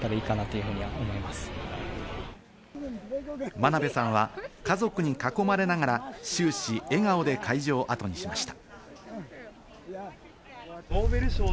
真鍋さんは家族に囲まれながら終始笑顔で会場をあとにしました。